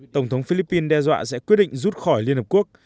tổng thống philippines đe dọa sẽ quyết định rút khỏi liên hợp quốc